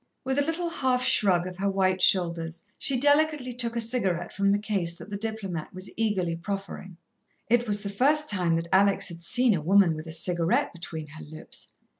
With a little half shrug of her white shoulders she delicately took a cigarette from the case that the diplomat was eagerly proffering. It was the first time that Alex had seen a woman with a cigarette between her lips.